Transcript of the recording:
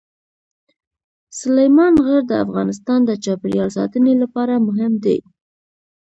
سلیمان غر د افغانستان د چاپیریال ساتنې لپاره مهم دي.